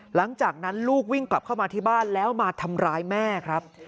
หลังจากนั้นลูกวิ่งกลับเข้ามาที่บ้านแล้วมาทำร้ายแม่ครับ